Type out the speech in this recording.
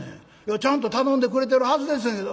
ちゃんと頼んでくれてるはずですねんけど。